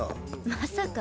まさか。